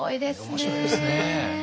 面白いですね。